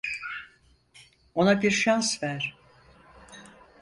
Ona bir şans ver.